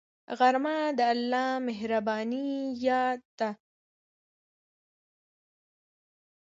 غرمه د الله مهربانۍ یاد ده